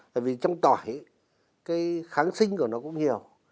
tại vì trong tỏi cái kháng sinh của nó cũng nhiều